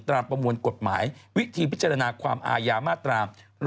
ประมวลกฎหมายวิธีพิจารณาความอายามาตรา๑๑